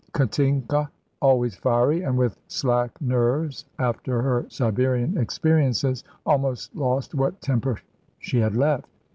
Katinka, always fiery, and with slack nerves after her Siberian experiences, almost lost what temper she had left.